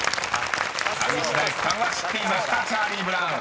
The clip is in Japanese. ［上白石さんは知っていました「チャーリー・ブラウン」］